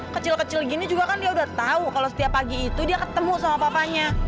kecil kecil gini juga kan dia udah tahu kalau setiap pagi itu dia ketemu sama papanya